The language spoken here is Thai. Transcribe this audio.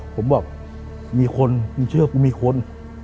ผมบอกมีคนคุณเชื่อว่ากูมีคน